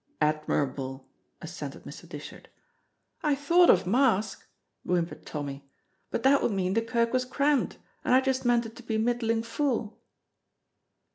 "Admirable," assented Mr. Dishart. "I thought of mask," whimpered Tommy, "but that would mean the kirk was crammed, and I just meant it to be middling full."